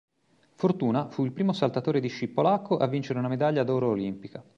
Fortuna fu il primo saltatore di sci polacco a vincere una medaglia d'oro olimpica.